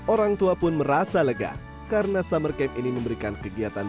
orang tua pun merasa lega karena summer camp ini memberikan kegiatan